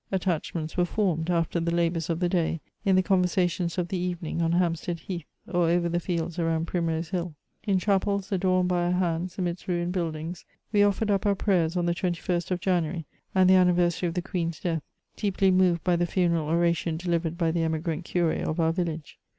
Attachments were formed, after the labours of the day, in the conversations of the evening, on Hampstead Heath or over the fields around Primrose Hill. Li chapels, adorned by our hands amidst ruined buildings, we offered up our prayers on CHATEAUBRIAIJD, 233 the 21st of JanuarV) and the anniversary of the queen's death, deeply moved by the fiineral oration delivered by the emigrant cure of our village.